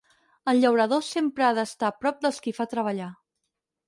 El llaurador sempre ha d'estar prop dels qui fa treballar.